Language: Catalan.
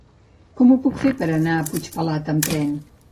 Com ho puc fer per anar a Puigpelat amb tren?